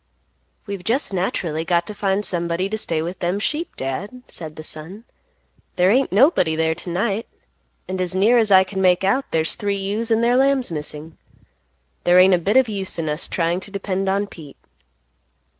"We've just naturally got to find somebody to stay with them sheep, Dad," said the son; "there ain't nobody there to night, and as near as I can make out there's three ewes and their lambs missing. There ain't a bit of use in us trying to depend on Pete."